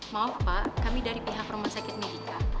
maaf pak kami dari pihak rumah sakit medika